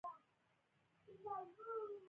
• د آذان خوږ ږغ د دعا وخت ښيي.